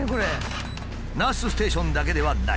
ナースステーションだけではない。